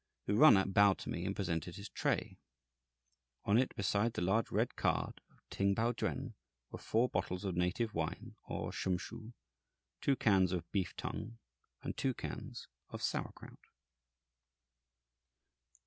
The runner bowed to me and presented his tray. On it, beside the large red "card" of Ting Pao Chuen, were four bottles of native wine, or "shumshoo," two cans of beef tongue, and two cans of sauerkraut!